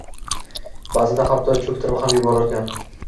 Ba’zida hatto cho‘ktirib ham yuborarkan